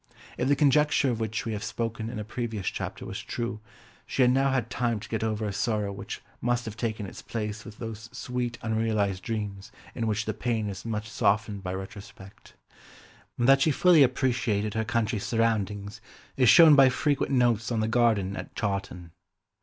If the conjecture of which we have spoken in a previous chapter was true, she had now had time to get over a sorrow which must have taken its place with those sweet unrealised dreams in which the pain is much softened by retrospect. That she fully appreciated her country surroundings is shown by frequent notes on the garden at Chawton.